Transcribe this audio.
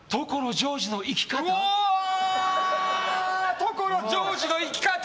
所ジョージの生き方！